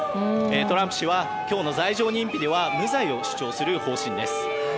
トランプ氏は今日の罪状認否では無罪を主張する方針です。